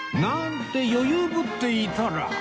なんて余裕ぶっていたら